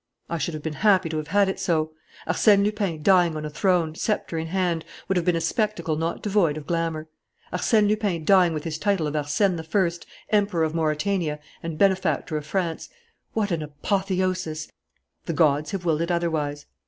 I should have been happy to have had it so. Arsène Lupin dying on a throne, sceptre in hand, would have been a spectacle not devoid of glamour. Arsène Lupin dying with his title of Arsène I, Emperor of Mauretania and benefactor of France: what an apotheosis! The gods have willed it otherwise.